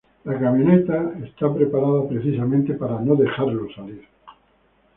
La camioneta está preparada precisamente para no dejarlo salir.